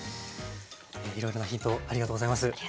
いろいろなヒントありがとうございます。